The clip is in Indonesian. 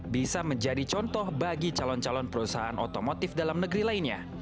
bisa menjadi contoh bagi calon calon perusahaan otomotif dalam negeri lainnya